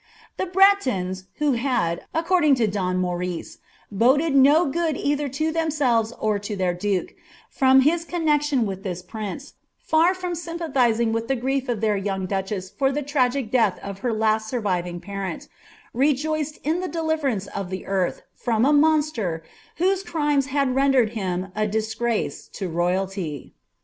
The Bretons, who had, according to Don Morice, boded no good cither to themselves or to their duke, from his connexion with this prince, far from sympathising with the grief of their yoang duchess for the tragical death of her last surviving parent, rejoiced in the deliverance of the earth from a monster whose crimes had rendered him a disgrace to royally.'